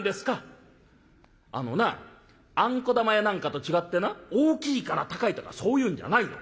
「あのなあんこ玉やなんかと違ってな大きいから高いとかそういうんじゃないの。